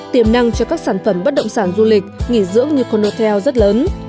tiềm năng cho các sản phẩm bất động sản du lịch nghỉ dưỡng như conotel rất lớn